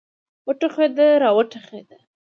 وټوخېده را وټوخېده.